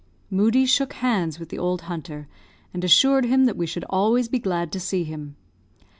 Moodie shook hands with the old hunter, and assured him that we should always be glad to see him.